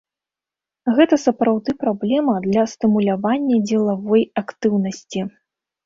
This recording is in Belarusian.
Гэта сапраўды праблема для стымулявання дзелавой актыўнасці.